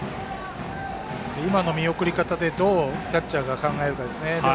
今の見送り方でどうキャッチャーが考えるかですね。